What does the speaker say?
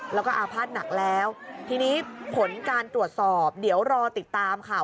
แล้วก็อาภาษณ์หนักแล้วทีนี้ผลการตรวจสอบเดี๋ยวรอติดตามค่ะ